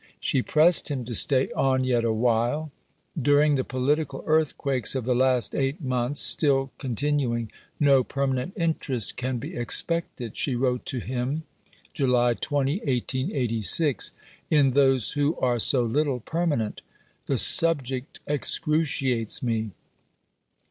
She pressed him to stay on yet a while. "During the political earthquakes of the last 8 months, still continuing, no permanent interest can be expected," she wrote to him (July 20, 1886), "in those who are so little permanent. The subject excruciates me."